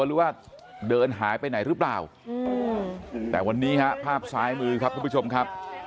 หรือว่าเดินหายไปไหนหรือเปล่าแต่วันนี้ฮะภาพซ้ายมือครับทุกผู้ชมครับ